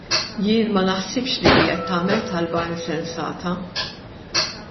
Jien ma naħsibx li qiegħed tagħmel talba insensata!